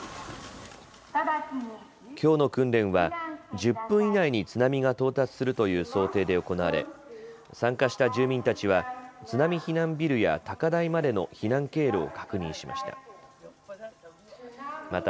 きょうの訓練は１０分以内に津波が到達するという想定で行われ参加した住民たちは津波避難ビルや高台までの避難経路を確認しました。